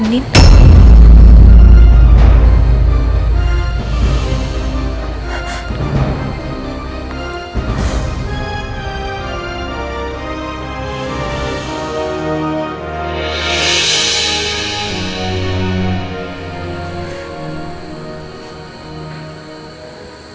pernah nanti nasabah dulu